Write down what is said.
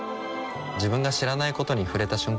自分が知らないことに触れた瞬間